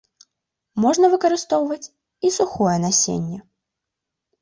Можна выкарыстоўваць і сухое насенне.